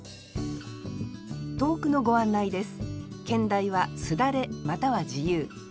投句のご案内です